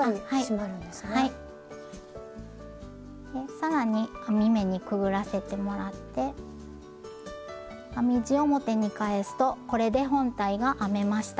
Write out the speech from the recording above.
更に編み目にくぐらせてもらって編み地を表に返すとこれで本体が編めました。